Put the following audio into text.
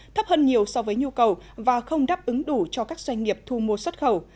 thấp hơn nhiều so với nhu cầu và không đáp ứng đủ cho các doanh nghiệp thu mua xuất khẩu